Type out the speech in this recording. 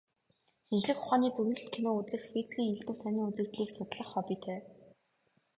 Шинжлэх ухааны зөгнөлт кино үзэх, физикийн элдэв сонин үзэгдлийг судлах хоббитой.